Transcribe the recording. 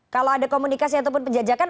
kalau ada komunikasi ataupun penjajakan